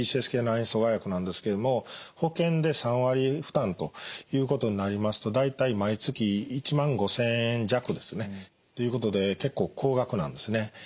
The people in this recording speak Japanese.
９阻害薬なんですけれども保険で３割負担ということになりますと大体毎月１５，０００円弱ですね。ということで結構高額なんですね。